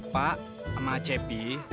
pak sama cepi